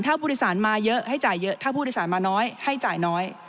ถ้าผู้โดยสารมาเยอะให้จ่ายเยอะถ้าผู้โดยสารมาน้อยให้จ่ายน้อย